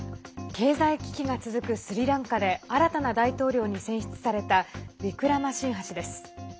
経済危機が続くスリランカで新たな大統領に選出されたウィクラマシンハ氏です。